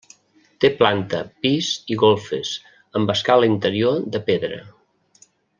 Té planta, pis i golfes, amb escala interior de pedra.